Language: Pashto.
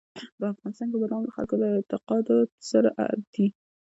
په افغانستان کې بادام له خلکو له اعتقاداتو سره دي.